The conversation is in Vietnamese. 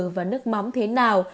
và nước mắm thế nào